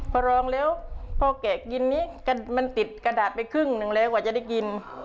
พอรองแล้วพ่อแกะกินนี้มันติดกระดาษไปครึ่งหนึ่งแล้วกว่าจะได้กิน